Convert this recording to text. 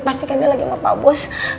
pasti kan dia lagi sama pak bos